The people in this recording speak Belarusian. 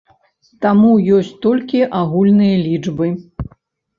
Таму ёсць толькі агульныя лічбы.